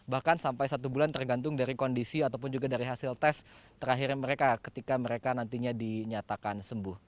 bahkan sampai satu bulan tergantung dari kondisi ataupun juga dari hasil tes terakhir mereka ketika mereka nantinya dinyatakan sembuh